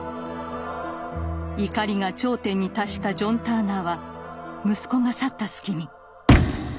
怒りが頂点に達したジョン・ターナーは息子が去った隙に。